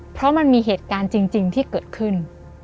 เพราะมันมีเหตุการณ์จริงที่เกิดขึ้น